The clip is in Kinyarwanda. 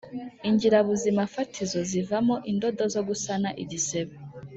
Ingirabuzimafatizo zivamo indodo zo gusana igisebe